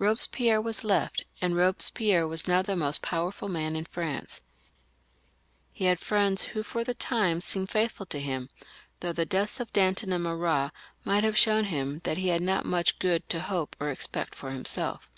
Eobespierre was left, and Eobespierre /vas now the most powerful man in France, He had faends who for the time seemed faithful to him, though the deaths of Danton and Marat might have shown him that he had not much good to hope or expect for himself.